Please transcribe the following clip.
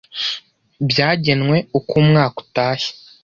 byagenwe uko umwaka utashye